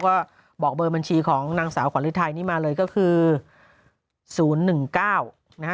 ก็บอกเบอร์บัญชีของนางสาวขวัญฤทัยนี่มาเลยก็คือ๐๑๙นะฮะ